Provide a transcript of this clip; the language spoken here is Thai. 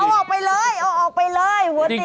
เอาออกไปเลยหัวเตียง